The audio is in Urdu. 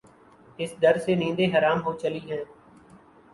اس ڈر سے نیندیں حرام ہو چلی ہیں۔